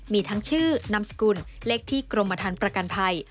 มีทั้งชื่อนามสกุลเลขที่กรมฐานประกันภัย